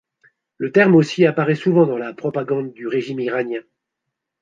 Le terme aussi apparaît souvent dans la propagande du régime iranien.